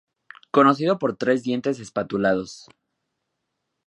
Conocido por tres dientes espatulados.